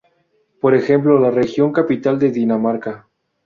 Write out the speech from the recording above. Por ejemplo la Región Capital de Dinamarca.